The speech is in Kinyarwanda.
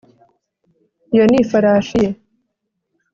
iyo ni ifarashi ye